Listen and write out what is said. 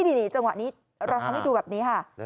นี่จังหวะนี้เราทำให้ดูแบบนี้ค่ะ